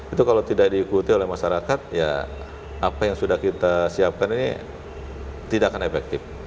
itu kalau tidak diikuti oleh masyarakat ya apa yang sudah kita siapkan ini tidak akan efektif